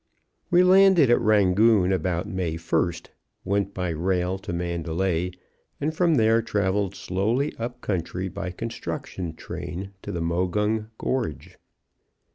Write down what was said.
"We landed at Rangoon about May 1st, went by rail to Mandalay, and from there travelled slowly up country by construction train to the Mogung Gorge.